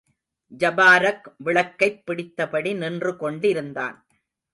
ஜபாரக் விளக்கைப் பிடித்தபடி நின்று கொண்டிருந்தான்.